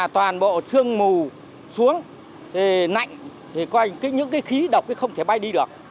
toàn bộ xương mù xuống nạnh những khí độc không thể bay đi được